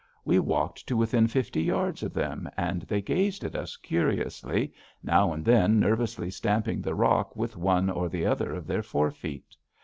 We walked to within fifty yards of them, and they gazed at us curiously, now and then nervously stamping the rock with one or the other of their fore feet.